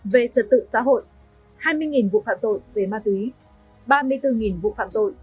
về trật tự xã hội hai mươi vụ phạm tội về ma túy ba mươi bốn vụ phạm tội